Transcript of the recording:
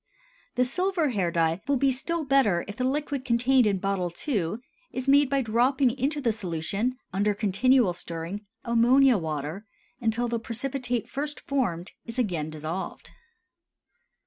The silver hair dye will be still better if the liquid contained in bottle II. is made by dropping into the solution, under continual stirring, ammonia water, until the precipitate first formed is again dissolved.